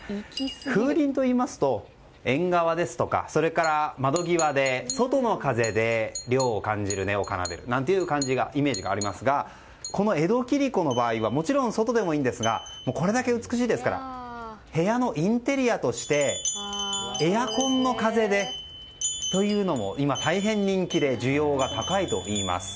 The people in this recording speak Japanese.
風鈴といいますと縁側ですとか窓際で外の風で、涼を感じる音を奏でるというイメージがありますがこの江戸切子の場合はもちろん外でもいいんですがこれだけ美しいですから部屋のインテリアとしてエアコンの風でというのも今、大変人気で需要が高いといいます。